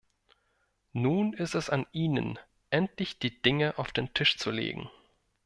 Nun ist es an Ihnen, endlich die Dinge auf den Tisch zu legen.